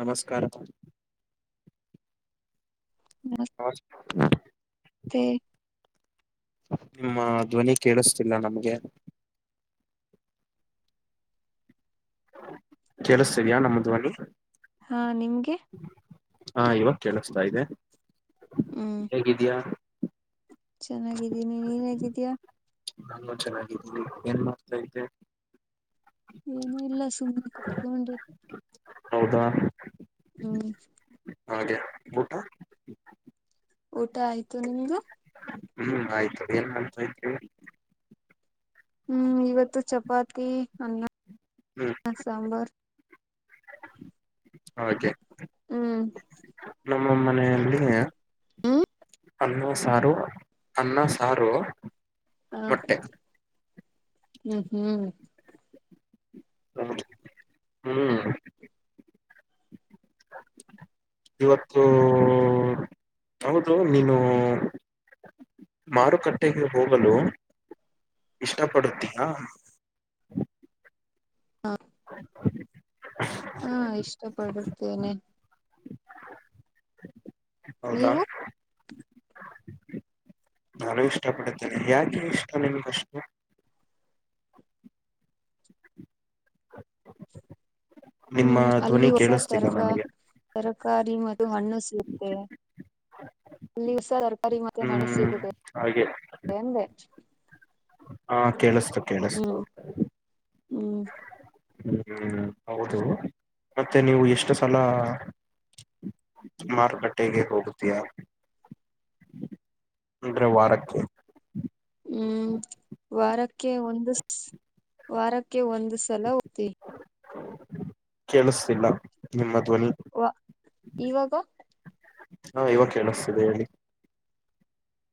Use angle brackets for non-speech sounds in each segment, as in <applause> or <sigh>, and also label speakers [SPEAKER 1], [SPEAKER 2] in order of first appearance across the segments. [SPEAKER 1] ನಮಸ್ಕಾರ.
[SPEAKER 2] ನಮಸ್.
[SPEAKER 1] ಹಾ. <inaudible>
[SPEAKER 2] ತ್ತೆ.
[SPEAKER 1] ನಿಮ್ಮ ಧ್ವನಿ ಕೇಳಿಸ್ತಿಲ್ಲ ನಮ್ಗೆ. ಕೇಳ್ತೀಿದೆಯಾ ನಮ್ಮ್ ದ್ವನಿ.
[SPEAKER 2] ಹಾ ನಿಮ್ಗೆ.
[SPEAKER 1] ಹಾ ಇವಾಗ ಕೇಳಿಸ್ತ ಇದೆ.
[SPEAKER 2] ಹ್ಮ್.
[SPEAKER 1] ಹೇಗಿದಿಯಾ.
[SPEAKER 2] ಚೆನ್ನಾಗಿದ್ದೀನಿ ನೀನ್ ಹೇಗಿದ್ದೀಯಾ.
[SPEAKER 1] ನಾನು ಚೆನ್ನಾಗಿದಿನಿ ಏನ್ ಮಾಡ್ತಾ ಇದೆ.
[SPEAKER 2] ಏನು ಇಲ್ಲ ಸುಮ್ನೆ ಕುೂತ್ಕೊಂಡಿದ್.
[SPEAKER 1] ಹೌದಾ
[SPEAKER 2] ಹ್ಮ್
[SPEAKER 1] ಹಾಗೆ ಊಟ.
[SPEAKER 2] ಊಟ ಆಯ್ತು ನಿಮ್ದು.
[SPEAKER 1] ಹ್ಮ್ ಆಯ್ತು ಏನ್ ಮಾಡತಾಯ್ಡ್ದ್ರಿ.
[SPEAKER 2] ಹ್ಮ್ ಇವತ್ತು ಚಪಾತಿ ಅನ್ನ.
[SPEAKER 1] ಹ್ಞ.
[SPEAKER 2] ಸಾಂಬಾರ್.
[SPEAKER 1] ಹಾಗೆ.
[SPEAKER 2] ಹ್ಮ್.
[SPEAKER 1] ನಮ್ಮ ಮನೆಯಲ್ಲಿ.
[SPEAKER 2] ಹ್ಮ್
[SPEAKER 1] ಅನ್ನ ಸಾರು ಅನ್ನ ಸಾರು.
[SPEAKER 2] ಹಾ
[SPEAKER 1] ಮೊಟ್ಟೆ
[SPEAKER 2] ಹ್ಮ್ ಹ್ಮ್.
[SPEAKER 1] ಹ ಹ್ಮ್. ಇವತ್ತು ಹೌದು ನೀನು. ಮಾರುಕಟ್ಟೆಗೆ ಹೋಗಲು ಇಷ್ಟಪಡುತ್ತೀಯಾ.
[SPEAKER 2] ಹಾಂ.
[SPEAKER 1] ಹ. <inaudible>
[SPEAKER 2] ಹಾ ಇಷ್ಟ ಪಡುತ್ತೇನೆ.
[SPEAKER 1] ಹೌದಾ.
[SPEAKER 2] ನೀವು
[SPEAKER 1] ನಾನು ಇಷ್ಟ ಪಡುತ್ತೇನೆ ಯಾಕೆ ಇಷ್ಟ ನಿಮಗೆ ಅಷ್ಟು. ನಿಮ್ಮ
[SPEAKER 2] ಹ್ಮ್ ಅಲ್ಲಿ
[SPEAKER 1] ಧ್ವನಿ
[SPEAKER 2] ಹೊಸ
[SPEAKER 1] ಕೇಳಿಸ್ತಿಲ್ಲ
[SPEAKER 2] ತರಕ.
[SPEAKER 1] ನನಗೆ
[SPEAKER 2] ತರಕಾರಿ ಮತ್ತೆ ಹಣ್ಣು ಸಿಗುತ್ತೆ ಅಲ್ಲಿಸರ. ಸರಿ ಮತ್ತೆ ನಾಳೆ
[SPEAKER 1] ಹ್ಮ್
[SPEAKER 2] ಸಿಗುತ್ತೆ
[SPEAKER 1] ಹಾಗೆ
[SPEAKER 2] ಎಂದೆ.
[SPEAKER 1] ಹಾ ಕೇಳಿಸ್ತು ಕೇಳಿಸ್ತು.
[SPEAKER 2] ಹ್ಮ್ ಹ್ಮ್.
[SPEAKER 1] ಹ್ಮ್ ಹೌದು ಮತ್ತೆ ನೀವು ಎಷ್ಟು ಸಲ ಮಾರುಕಟ್ಟೆಗೆ ಹೋಗುತಿಯಾ. ಅಂದ್ರ ವಾರಕೊ
[SPEAKER 2] ಹ್ಮ್ ವಾರಕ್ಕೆ ಒಂದು ವಾರಕ್ಕೆ ಒಂದು ಸಲ ಹೋಗ್ತೀವಿ
[SPEAKER 1] ಕೆೇಳಸತಿಲ್ಲ ನಿಮ್ಮ ದ್ವನಿ.
[SPEAKER 2] ವ ಇವಾಗ.
[SPEAKER 1] ಹಾ ಇವಾಗ ಕೇಳಿಸ್ತಿದೆ ಹೇಳಿ.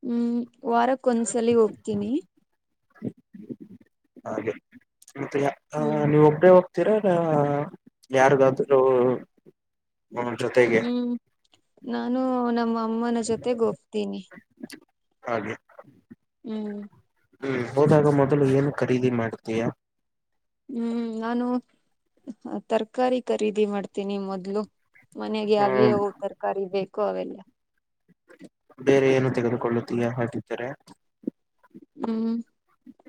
[SPEAKER 2] ಹ್ಮ್ ವಾರಕ್ಕ ಒಂದ್ಸಲಿ ಹೋಗ್ತೀನಿ.
[SPEAKER 1] ಹಾಗೆ. ಮತ್ತೆ <unintelligible>
[SPEAKER 2] ಹ್ಮ್
[SPEAKER 1] ನೀವ್ ಒಬ್ರೆ ಹೋಗ್ತೀರ ಏನ ಯಾರನಾದ್ರೂ ಹ ಜೊತೆ.
[SPEAKER 2] ಹ್ಮ್ ನಾನು ನಮ್ಮ ಅಮ್ಮನ ಜೊತೆಗೆ ಹೋಗ್ತೀನಿ.
[SPEAKER 1] ಹಾಗೆ.
[SPEAKER 2] ಹ್ಮ್.
[SPEAKER 1] ಹ್ಮ್ ಹೋದಾಗ ಮೊದಲು ಏನು ಖರೀದಿ ಮಾಡುತಿಯಾ.
[SPEAKER 2] ಹ್ಮ್ ನಾನು ತರಕಾರಿ ಖರೀದಿ ಮಾಡ್ತೀನಿ ಮೊದ್ಲು. ಮನೆಗೆ ಯ್ಯಾವು
[SPEAKER 1] ಹ್ಮ್
[SPEAKER 2] ಯ್ಯಾವು ತರಕಾರಿ ಬೇಕು ಅವೆಲ್ಲ.
[SPEAKER 1] ಬೇರೆ ಏನು ತೆಗೆದುಕೊಳ್ಳುತ್ತೀಯಾ ಹಾಗಿದ್ದರೆ.
[SPEAKER 2] ಹ್ಮ್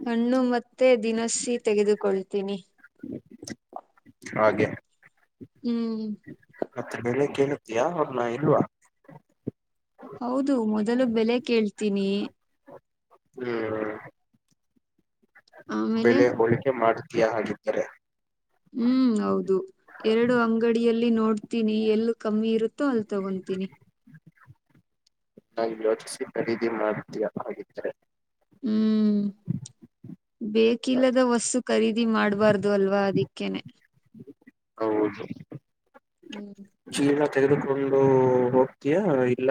[SPEAKER 2] ಹಣ್ಣು ಮತ್ತೆ ದಿನಸಿ ತೆಗೆದುಕೊಳ್ತೀನಿ.
[SPEAKER 1] <inaudible> ಹಾಗೆ.
[SPEAKER 2] ಹ್ಮ್.
[SPEAKER 1] ಮತ್ತೆ ಬೆಲೆ ಕೇಳುತ್ತಿಯಾ ಅವ್ರ್ನ ಇಲ್ವಾ.
[SPEAKER 2] ಹೌದು ಮೊದಲು ಬೆಲೆ ಕೇಳ್ತೀನಿ.
[SPEAKER 1] ಹ್ಮ್.
[SPEAKER 2] ಆಮೇಲೆ
[SPEAKER 1] ಬೆಲೆ ಹೋಳಿಕೆ ಮಾಡ್ತೀಯಾ ಹಾಗಿದ್ದರೆ.
[SPEAKER 2] ಹ್ಮ್ ಹೌದು. ಎರಡು ಅಂಗಡಿಯಲ್ಲಿ ನೋಡ್ತೀನಿ ಎಲ್ಲ ಕಮ್ಮಿ ಇರುತ್ತೋ ಅಲ್ ತಗೊನತೀನಿ.
[SPEAKER 1] ನಾನ್ ಯೋಚಿಸಿ ಖರೀದಿ ಮಾಡ್ತೀಯ ಹಾಗಿದ್ರೆ.
[SPEAKER 2] ಹ್ಮ್. ಬೇಕಿಲ್ಲದ ವಸ್ತು ಖರೀದಿ ಮಾಡ್ಬಾರ್ದು ಅಲ್ವಾ ಅದಕ್ಕೇನೆ.
[SPEAKER 1] ಹೌದು.
[SPEAKER 2] ಹ್ಮ್
[SPEAKER 1] ಚಿಲಾ ತೆಗೆದುಕೊಂಡು ಹೋಗ್ತಯ ಇಲ್ಲ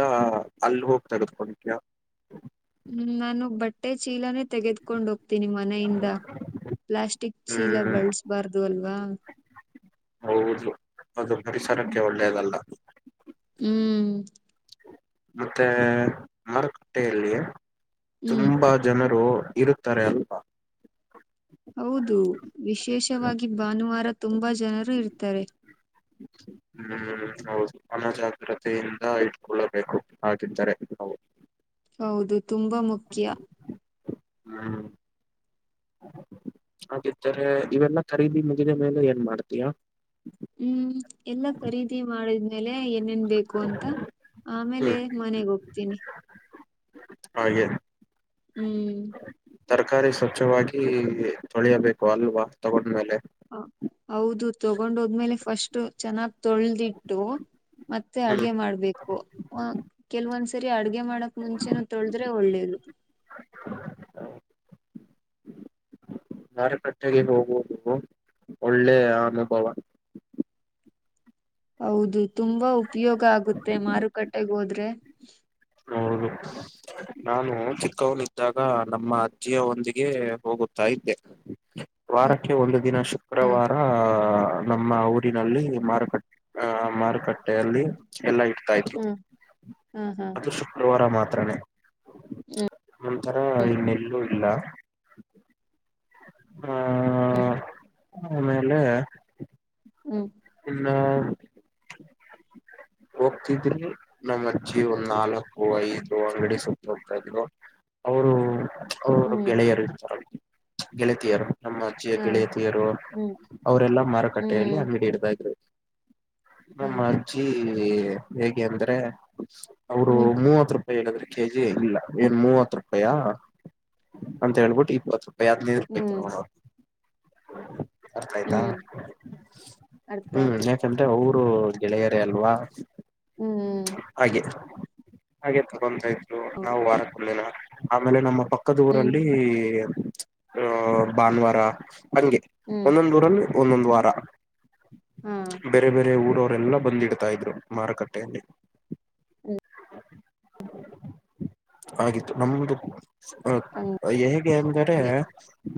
[SPEAKER 1] ಅಲ್ಲಿ ಹೋಗಿ ತೆಗೆದಕೊಡ್ತೀಯಾ.
[SPEAKER 2] ಹ್ಮ್ ನಾನು ಬಟ್ಟೆ ಚೀಲನೆ ತೆಗೆದಕೊಂಡ್ ಹೋಗ್ತೀನಿ ಮನೆಯಿಂದ. ಪ್ಲಾಸ್ಟಿಕ್ ಚೀಲ
[SPEAKER 1] ಹ್ಮ್
[SPEAKER 2] ಬಳ್ಸ್ಬಾರ್ದು ಅಲ್ವಾ.
[SPEAKER 1] ಹೌದು ಅದು ಪರಿಸರಕ್ಕೆ ಒಳ್ಳೇದಲ್ಲ.
[SPEAKER 2] ಹ್ಮ್. ಹ್ಮ್.
[SPEAKER 1] ಮತ್ತೆ ಮಾರುಕಟ್ಟೆಯಲ್ಲಿ
[SPEAKER 2] ಹ್ಮ್
[SPEAKER 1] ತುಂಬಾ ಜನರು ಇರುತ್ತಾರೆ ಅಲ್ವಾ.
[SPEAKER 2] ಹೌದು ವಿಶೇಷವಾಗಿ ಭಾನುವಾರ ತುಂಬಾ ಜನರು ಇರ್ತಾರೆ.
[SPEAKER 1] ಹ್ಮ್ ಹೌದು. ನಮ್ಮಜಾಗ್ರತೆಯಿಂದ ಇಟ್ಕೊಳ್ಳಬೇಕು ಹಾಗಿದ್ದರೆ ನಾವು
[SPEAKER 2] ಹೌದು ತುಂಬಾ ಮುಖ್ಯ
[SPEAKER 1] ಹ್ಮ್ ಹಾಗಿದ್ದರೆ ಇವೆಲ್ಲ ಖರೀದಿ ಮುಗಿದ ಮೇಲೆ ಏನ್ ಮಾಡ್ತೀಯಾ
[SPEAKER 2] ಹ್ಮ್ ಎಲ್ಲ ಖರೀದಿ ಮಾಡಿದ್ಮೇಲೆ ಏನೇನ್ ಬೇಕು ಅಂತ ಆಮೇಲೆ
[SPEAKER 1] ಹ್ಮ್
[SPEAKER 2] ಮನೆಗ್ ಹೋಗ್ತೀನಿ
[SPEAKER 1] ಹಾಗೆ
[SPEAKER 2] ಹ್ಮ್
[SPEAKER 1] ತರಕಾರಿ ಸ್ವಚ್ಛವಾಗಿ ತೊಳಿಯಬೇಕು ಅಲ್ವಾ ತಗೊಂಡ್ಮೇಲೆ
[SPEAKER 2] ಹ ಹೌದು ತಗೊಂಡೋದ್ಮೇಲೆ ಫಸ್ಟ್ ಚೆನ್ನಾಗ್ ತೊಳೆ್ದಿಟ್ಟು ಮತ್ತೆ ಅಡಗೆ ಮಾಡ್ಬೇಕು ಹ್ ಕೆಲವೊಂದ್ಸರಿ ಅಡ್ಗೆ ಮಾಡಕ್ ಮುಂಚೆನು ತೊಳದ್ರೆ ಒಳ್ಳೇದು
[SPEAKER 1] ಮರುಕಟ್ಟೆಗೆ ಹೋಗುವುದು ಒಳ್ಳೆ ಅನುಭವ
[SPEAKER 2] ಹೌದು ತುಂಬಾ ಉಪಯೋಗ ಆಗುತ್ತೆ ಮಾರುಕಟ್ಟೆಗೆ ಹೋದ್ರೆ
[SPEAKER 1] ಹ ನಾನು ಚಿಕ್ಕವನ್ದಾಗ ನಮ್ಮ ಅಜ್ಜಿಯ ಒಂದಿಗೆ ಹೋಗುತ್ತಾ ಇದ್ದೆ ವಾರಕ್ಕೆ ಒಂದು ದಿನಷ್ಟು
[SPEAKER 2] ಹಾ
[SPEAKER 1] ಆಹ ನಮ್ಮ ಊರಿನಲ್ಲಿ ಮಾರುಕಟ್ಟೆ ಆ ಮಾರುಕಟ್ಟೆಯಲ್ಲಿ ಎಲ್ಲ ಇಡ್ತಾ ಇದ್ರು
[SPEAKER 2] ಹ್ಮ್ ಹಾ ಹಾ
[SPEAKER 1] ಅದು ಶುಕ್ರವಾರ ಮಾತ್ರನೇ ಒಂತರ ಇನ್ನೆಲ್ಲೂ ಇಲ್ಲ ಆ
[SPEAKER 2] ಹ್ಮ
[SPEAKER 1] ಆಮೇಲೆ
[SPEAKER 2] ಹ್ಮ್
[SPEAKER 1] ಹನ್ನ ಹೋಗ್ತಿದ್ರರು ನಮ್ಮ್ ಅಜ್ಜಿ ಒಂದ್ ನಾಲ್ಕು ಐದು ಅಂಗಡಿ ಸುತ್ತ ಹೋಗ್ತಾ ಇದ್ರು ಅವರು ಅವರು
[SPEAKER 2] ಹ್ಮ್
[SPEAKER 1] ಗೆಳೆಯರು ಇರ್ತಾರೆ ಗೆಳತಿಯರು ನಮ್ಮ ಅಜ್ಜಿಯ
[SPEAKER 2] ಹಾ
[SPEAKER 1] ಗೆಳೆಯತಿಯರು
[SPEAKER 2] ಹ್ಮ್
[SPEAKER 1] ಅವರೆಲ್ಲ ಮಾರುಕಟ್ಟೆಯಲ್ಲಿ
[SPEAKER 2] ಹ್ಮ್
[SPEAKER 1] ಅಂಗಡಿ ಹಿಡ್ದ ಇದ್ರು
[SPEAKER 2] ಹಾ
[SPEAKER 1] ನಮ್ಮ ಅಜ್ಜಿ ಹೇಗೆ ಅಂದ್ರೆ ಅವರು
[SPEAKER 2] ಹ್ಮ್
[SPEAKER 1] ಮೂವತ್ತು ರೂಪಾಯಿ ಹೇಳಿದ್ರೆ ಕೆಜಿ ಇಲ್ಲ ಏನ್ ಮೂವತ್ ರೂಪಾಯಾ ಅಂತ ಹೇಳ್ಬಿಟ್ಟು ಇಪ್ಪತ್ತು ರೂಾಯ ಬರಿ ಹದಿನೈದು ರೂಪಾಯಿ
[SPEAKER 2] ಹ್ಮ್
[SPEAKER 1] ತೋಗ್ಲಾರು ಅರ್ಥ ಆಯ್ತಾ
[SPEAKER 2] ಹ್ಮ್ ಅರ್ಥ
[SPEAKER 1] ಹ್ಮ್
[SPEAKER 2] ಆಯ್ತು
[SPEAKER 1] ಯಾಕಂದ್ರೆ ಅವರು ಗೆಳೆಯರೇ ಅಲ್ವಾ
[SPEAKER 2] ಹ್ಮ್
[SPEAKER 1] ಹಾಗೆ ಹಾಗೆ ತಗೊಂತಾಯ್ತು
[SPEAKER 2] ಹೌದು
[SPEAKER 1] ನಾವು ವಾರ ಕೊಳಿಲ್ಲ ಆಮೇಲೆ ನಮ್ಮ ಪಕ್ಕ
[SPEAKER 2] ಹ್ಮ್
[SPEAKER 1] ಪಕ್ಕೂದೂರಲ್ಲಿ ಅ ಭಾನುವಾರ ಹಂಗೆ
[SPEAKER 2] ಹ್ಮ್
[SPEAKER 1] ಒಂದೊಂದು ಊರಲ್ಲಿ ಒಂದೊಂದು ವಾರ
[SPEAKER 2] ಹಾ
[SPEAKER 1] ಬೇರೆ ಬೇರೆ ಊರವರೆಲ್ಲ ಬಂದಿಡ ತಾ ಇದ್ರು ಮಾರುಕಟ್ಟೆಯಲ್ಲಿ
[SPEAKER 2] ಹ್ಮ
[SPEAKER 1] ಆಗಿತ್ತು ನಮ್ದು ಅ
[SPEAKER 2] ಹಂಗೆ
[SPEAKER 1] ಹೇಗೆ ಅಂದರೆ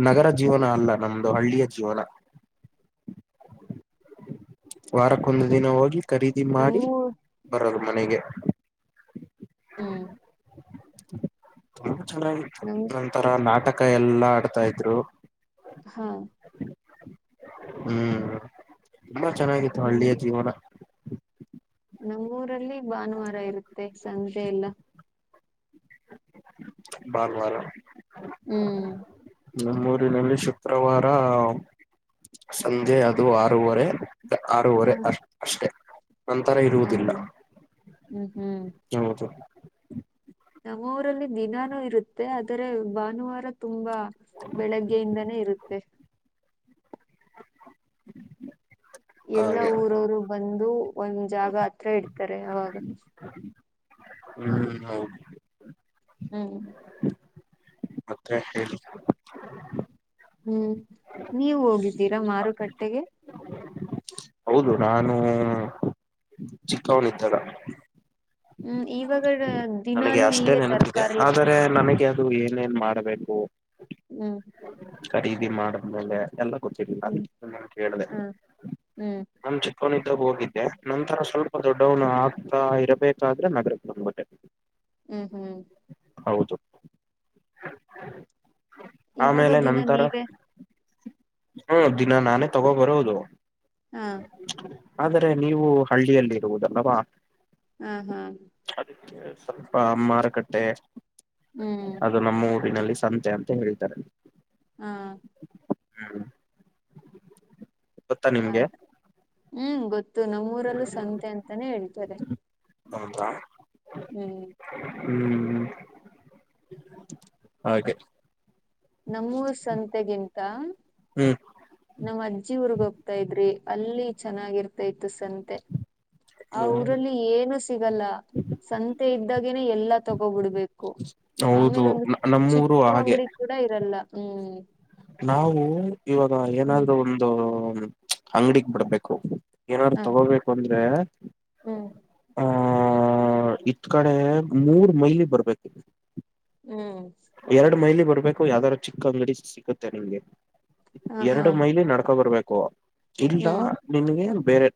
[SPEAKER 1] ನಗರ ಜೀವನ ಅಲ್ಲ ನಮ್ದು ಹಳ್ಳಿಯ ಜೀವನ ವಾರಕ್ಕೊಂದು ದಿನ ಹೋಗಿ ಖರೀದಿ ಮಾಡಿ
[SPEAKER 2] ನಮ್ಮೂ
[SPEAKER 1] ಬರದು ಮನೆಗೆ
[SPEAKER 2] ಹ್ಮ್
[SPEAKER 1] ಚನಾಗಿತ್ತು
[SPEAKER 2] ನಮ್
[SPEAKER 1] ನನ್ನ ತರ ನಾಟಕ ಯಲ್ಲಾ ಆಡ್ತಾಇದ್ರು
[SPEAKER 2] ಹಾ
[SPEAKER 1] ಹ್ಮ್ ತುಂಬಾ ಚೆನ್ನಾಗಿತ್ತು
[SPEAKER 2] ನಮ್
[SPEAKER 1] ಹಳ್ಳಿಯ ಜೀವನ
[SPEAKER 2] ನಮ್ಮೂರಲ್ಲಿ ಭಾನುವಾರ ಇರುತ್ತೆ ಸಂಜೆ ಎಲ್ಲ.
[SPEAKER 1] ಭಾನುವಾರ.
[SPEAKER 2] ಹ್ಮ್.
[SPEAKER 1] ನಮ್ಮೂರಿನಲ್ಲಿ ಶುಕ್ರವಾರ ಸಂಜೆ ಅದು ಆರೂವರೆ.
[SPEAKER 2] ಹ
[SPEAKER 1] ಆರೂವರೆ ಅಷ್ಟೆ ನಂತರ ಇರುವುದಿಲ್ಲ.
[SPEAKER 2] ಹೌದು ಹ್ಮ್ ಹ್ಮ್
[SPEAKER 1] ಹೌದು.
[SPEAKER 2] ನಮ್ಮ ಊರಲ್ಲಿ ದಿನಾನೂ ಇರುತ್ತೆ ಆದರೆ ಭಾನುವಾರ ತುಂಬಾ. ಬೆಳಗ್ಗೆಯಿಂದಾನೇ ಇರುತ್ತೆ. ಎಲ್ಲಾ
[SPEAKER 1] ಹಾಗೆ
[SPEAKER 2] ಊರವರು ಬಂದು ಒಂದ್ ಜಾಗ ಹತ್ರ ಇಡ್ತಾರೆ ಅವಾಗ.
[SPEAKER 1] ಹ್ಮ್ ಹೌದು.
[SPEAKER 2] ಹ್ಮ್.
[SPEAKER 1] ಮತ್ತೆ ಹೇಳಿ.
[SPEAKER 2] ಹ್ಮ್ ನೀವ್ ಹೋಗಿದ್ದೀರಾ ಮಾರುಕಟ್ಟೆಗೆ.
[SPEAKER 1] ಹೌದು ನಾನು ಚಿಕ್ಕವನು ಇದ್ದಾಗ.
[SPEAKER 2] ಹ್ಮ್ ಇವಾಗ.
[SPEAKER 1] ನನಗೆ
[SPEAKER 2] ದಿನಾಲೂ
[SPEAKER 1] ಅಷ್ಟೇ
[SPEAKER 2] ನೀವೇ
[SPEAKER 1] ನೆನಪಿದೆ
[SPEAKER 2] ತರಕಾರಿ
[SPEAKER 1] ಆದರೆ ನನಗೆ ಅದು ಏನೇನ್ ಮಾಡಬೇಕು.
[SPEAKER 2] ಹ್ಮ್.
[SPEAKER 1] ಖರೀದಿ ಮಾಡಿದ್ಮೇಲೆ ಎಲ್ಲ ಗೊತ್ತಿರ್ಲಿಲ್ಲ
[SPEAKER 2] ಹ್ಮ್
[SPEAKER 1] ಅದ್ಕೆ ನಿಮ್ಮ್ ನಾ ಕೇಳಿದೆ.
[SPEAKER 2] ಹಾ ಹ್ಮ್
[SPEAKER 1] ಚಿಕ್ಕವನಿದ್ದಾಗ ಹೋಗಿದ್ದೆ ನಂತರ ಸ್ವಲ್ಪ ದೊಡ್ಡವನ್ ಆಗ್ತಾ ಇರಬೇಕಾದ್ರೆ ನಗರಕ್ಕೆ ಬಂದ್ಬಟ್ಟೆ.
[SPEAKER 2] ಹ್ಮ್ ಹ್ಮ್.
[SPEAKER 1] ಹೌದು.
[SPEAKER 2] ಇವಾಗ
[SPEAKER 1] ಆಮೇಲೆ
[SPEAKER 2] ದಿನ
[SPEAKER 1] ನಂತರ.
[SPEAKER 2] ನೀವೇ
[SPEAKER 1] ಹ್ಮ್ ದಿನ ನಾನೇ ತಗೋ ಬರೋದು.
[SPEAKER 2] ಹಾ.
[SPEAKER 1] ಆದರೆ ನೀವು ಹಳ್ಳಿಯಲ್ಲಿ ಇರುವುದಲ್ವಾ.
[SPEAKER 2] ಹಾ ಹಾ.
[SPEAKER 1] ಸ್ವಲ್ಪ ಮಾರುಕಟ್ಟೆ
[SPEAKER 2] ಹ್ಮ್
[SPEAKER 1] ಅದು ನಮ್ಮ ಊರಿನಲ್ಲಿ ಸಂತೆ ಅಂತ ಹೇಳ್ತಿವಿ. ಸರ <inaudible>
[SPEAKER 2] ಹ್ಮ್.
[SPEAKER 1] ಗೊತ್ತಾ ನಿಮ್ಗೆ
[SPEAKER 2] ಹಾಗೆ ಹ್ಮ್ ಗೊತ್ತು ನಮ್ಮೂರಲ್ಲೂ ಸಂತೆ ಅಂತಾನೇ ಹೇಳ್ತಾರೆ.
[SPEAKER 1] ಹೌದಾ.
[SPEAKER 2] ಹ್ಮ್.
[SPEAKER 1] ಹ್ಮ್ ಹಾಗೆ.
[SPEAKER 2] ನಮ್ಮೂರ್ ಸಂತೆಗಿಂತ.
[SPEAKER 1] ಹ್ಮ್
[SPEAKER 2] ನಮ್ಮ್ ಅಜ್ಜಿ ಊರ್ಗ್ ಹೋಗ್ತಾ ಇದ್ರಿ ಅಲ್ಲಿ ಚೆನ್ನಾಗಿರ್ತ ಇತ್ತು ಸಂತೆ. ಆ ಊರಲ್ಲಿ ಏನು ಸಿಗಲ್ಲ. ಸಂತೆ ಇದ್ದಾಗೆನೆ ಎಲ್ಲಾ ತಗೋಬಿಡ್ಬೇಕು
[SPEAKER 1] ಹೌದು
[SPEAKER 2] ಆಮೇಲೆ ಒಂದು
[SPEAKER 1] ನಮ್ಮೂರು
[SPEAKER 2] ಚಿಕ್ಕು
[SPEAKER 1] ಹಾಗೆ
[SPEAKER 2] ಅಂಗಡಿ. ಕೂಡ ಇರಲ್ಲ ಹ್ಮ್.
[SPEAKER 1] ನಾವು ಇವಾಗ
[SPEAKER 2] ಹ್ಮ್
[SPEAKER 1] ಏನಾದ್ರೂ ಒಂದು ಅಂಗಡಿಗೆ ಬರ್ಬೇಕು.
[SPEAKER 2] ಹ
[SPEAKER 1] ಏನಾದ್ರು ತಗೋಬೇಕು ಅಂದ್ರೆ.
[SPEAKER 2] ಹ್ಮ್
[SPEAKER 1] ಹ್ಮ್ ಹ್ಮ್ ಹ್ಮ್ ಇತ್ ಕಡೆ ಮೂರ್ ಮೈಲಿ ಬರ್ಬೇಕು.
[SPEAKER 2] ಹ್ಮ್.
[SPEAKER 1] ಎರಡ್ ಮೈಲಿ ಬರ್ಬೇಕು ಯಾವ್ದಾದಾರೂ ಚಿಕ್ಕ ಅಂಗಡಿ ಸಿಗುತ್ತೆ ನಿಮ್ಗೆ.
[SPEAKER 2] ಹ ಹಾ
[SPEAKER 1] ಎರಡು ಮೈಲಿ ನಡ್ಕೊ ಬರ್ಬೇಕು ಇಲ್ಲ
[SPEAKER 2] ಹ್ಮ್
[SPEAKER 1] ನಿನ್ಗೆ ಬೇರೆ.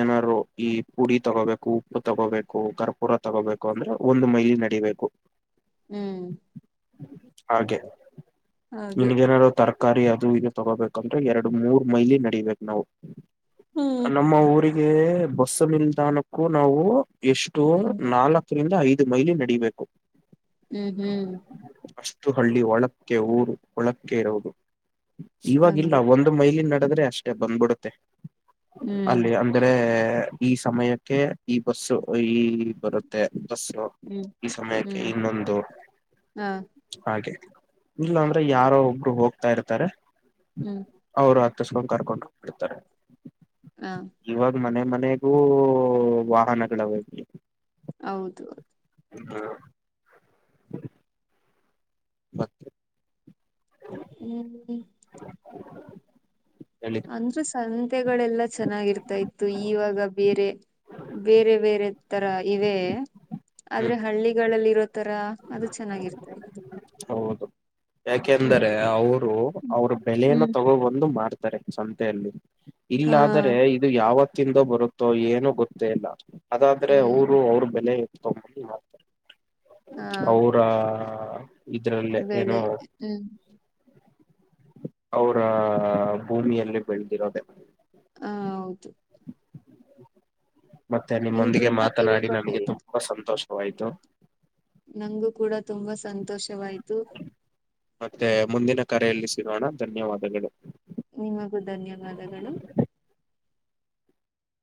[SPEAKER 1] ಏನಾದ್ರು ಈ ಪುಡಿ ತಗೋಬೇಕು ಉಪ್ಪು ತಗೋಬೇಕು ಕರ್ಪೂರ ತಗೋಬೇಕು ಅಂದ್ರೆ. ಒಂದು ಮೈಲಿ ನಡೀಬೇಕು.
[SPEAKER 2] ಹ್ಮ್.
[SPEAKER 1] ಹಾಗೆ
[SPEAKER 2] ಹಾಗೆ
[SPEAKER 1] ನಿನ್ಗೇನಾರ್ ತರಕ್. ಗಾಡಿ ಅದು ಇದು ತಗೋಬೇಕಂದ್ರೆ ಎರಡು ಮೂರ್ ಮೈಲಿ ನಡಬೇಕ್ ನಾವ
[SPEAKER 2] ಹ್ಮ್
[SPEAKER 1] ನಮ್ಮ ಊರಿಗ್ ಗೆ ಬಸ್ ನಿಲ್ದಾಣಕ್ಕೂ ನಾವು ಎಷ್ಟು
[SPEAKER 2] ಹ್ಮ್
[SPEAKER 1] ನಾಲಕ್. ದ್ರಿಂದ ಐದು ಮೈಲಿ ನಡೀಬೇಕು.
[SPEAKER 2] ಹ್ಮ್ ಹ್ಮ್.
[SPEAKER 1] ಅಷ್ಟು ಹಳ್ಳಿ ಒಳಕ್ಕೆ ಊರು ಒಳಕ್ಕೆ ಇರೋದು ಇವಾಗಿಲ್ಲ
[SPEAKER 2] ಹಂಗೆ
[SPEAKER 1] ಒಂದ್. ಒಂದು ಮೈಲಿ ನಡೆದ್ರೆ ಅಷ್ಟೇ ಬಂದ್ಬಿಡುತ್ತೆ
[SPEAKER 2] ಹ್ಮ್
[SPEAKER 1] ಅಲ್ಲಿ. ಅಂದ್ರೆ ಈ ಸಮಯಕ್ಕೆ ಈ ಬಸ್ಸು ಈ ಬರುತ್ತೆ ಬಸ್ಸು.
[SPEAKER 2] ಹ್ಮ್
[SPEAKER 1] ಈ ಸಮಯಕ್ಕೆ
[SPEAKER 2] ಹ್ಮ್
[SPEAKER 1] ಇನ್ನೊಂದು
[SPEAKER 2] ಹಾ.
[SPEAKER 1] ಹಾಗೆ ಇಲ್ಲಾಂದ್ರೆ ಯಾರೋ ಒಬ್ರು ಹೋಗ್ತಾ ಇರ್ತಾರೆ.
[SPEAKER 2] ಹ್ಮ್.
[SPEAKER 1] ಅವರು ಅತ್ತುಸ್ಕೊಂಡ ಕರ್ಕೊಂಡು ಹೋಗ್ಬಿಡ್ತಾರೆ.
[SPEAKER 2] ಹಾ.
[SPEAKER 1] ಇವಾಗ ಮನೆ ಮನೆಗೂ ವಾಹನಗಳಾವೇ.
[SPEAKER 2] ಹೌದು.
[SPEAKER 1] <inaudible> ಮತ್ತ.
[SPEAKER 2] ಹ್ಮ್.
[SPEAKER 1] ಹೇಳಿ.
[SPEAKER 2] ಮುಂಚೆ ಸಂತೆಗಳೆಲ್ಲಾ ಚೆನ್ನಾಗಿರ್ತಾ ಇತ್ತು ಇವಾಗ ಬೇರೆ. ಬೇರೆ ಬೇರೆ ತರ ಇವೆ ಆದ್ರೆ
[SPEAKER 1] ಹ್ಮ್
[SPEAKER 2] ಹಳ್ಳಿಗಳಲ್ಲಿರೋ, ತರ ಅದು ಚೆನ್ನಾಗಿರ್ತ ಇತ್ತು.
[SPEAKER 1] ಹೌದು
[SPEAKER 2] ಹ್ಮ್
[SPEAKER 1] ಯಾಕೆಂದರೆ ಅವರು ಅವ್ರ ಬೆಳೆಯನ್ನ
[SPEAKER 2] ಹ್ಮ್
[SPEAKER 1] ತಗೋಬಂದು ಮಾಡತ್. ರೆ ಸಂತೆಯಲ್ಲಿ
[SPEAKER 2] ಹಾ
[SPEAKER 1] ಇಲ್ಲಾದರೆ. ಯಾವತ್ತಿಂದೋ ಬರುತ್ತೋ ಏನು ಗೊತ್ತೇ ಇಲ್ಲ ಅದಾದ್ರೆ ಅವರು
[SPEAKER 2] ಹ್ಮ್
[SPEAKER 1] ಅವ್ರ. ಬೆಲೆ ತೊಂಬಂದ್ ಮಾರ್.
[SPEAKER 2] ಹಾ
[SPEAKER 1] ಅವರ ಇದ್ರಲ್ಲೇ ಏನೋ
[SPEAKER 2] ಬೆಳೆ ಹ್ಮ್
[SPEAKER 1] ಅವರ ಭೂಮಿಯಲ್ಲಿ ಬೆಳೆದಿರೋದೆ.
[SPEAKER 2] ಹ ಹೌದು.
[SPEAKER 1] ಮತ್ತೆ
[SPEAKER 2] ನೀವು
[SPEAKER 1] ನಿಮ್ಮೊಂದಿಗೆ
[SPEAKER 2] ತುಂಬಾ
[SPEAKER 1] ಮಾತನಾಡಿ ನನಗೆ
[SPEAKER 2] ತಿಳ್ಕೊಂಡಿದ್ದೀರಾ
[SPEAKER 1] ತುಂಬಾ ಸಂತೋಷವಾಯ್ತು.
[SPEAKER 2] ನಂಗು ಕೂಡ ತುಂಬಾ ಸಂತೋಷವಾಯ್ತು.
[SPEAKER 1] ಮತ್ತೆ ಮುಂದಿನ ಕರೆಯಲ್ಲಿ ಸಿಗೋಣ ಧನ್ಯವಾದಗಳು.
[SPEAKER 2] ನಿಮಗೂ ಧನ್ಯವಾದಗಳು.